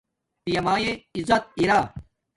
پیا مایے عزت ارا